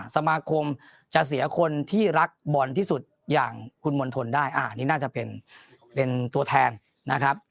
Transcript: สมาคมจะเสียคนที่รักบอลที่สุดอย่างคุณมณฑลได้อันนี้น่าจะเป็นตัวแทนนะครับ